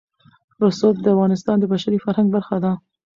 رسوب د افغانستان د بشري فرهنګ برخه ده.